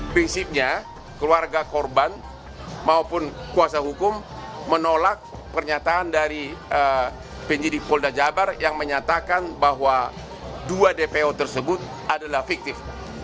prinsipnya keluarga korban maupun kuasa hukum menolak pernyataan dari penyidik polda jabar yang menyatakan bahwa dua dpo tersebut adalah fiktif